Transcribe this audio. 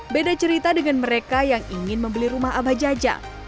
beda cerita dengan mereka yang ingin membeli rumah abah jajang